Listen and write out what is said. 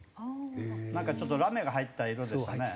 なんかちょっとラメが入った色でしたね。